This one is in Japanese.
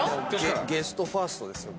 ゲストファーストですよ。